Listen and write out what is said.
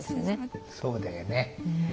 そうだよね。